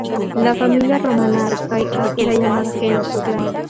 La familia romana arcaica era llamada gens o "clan".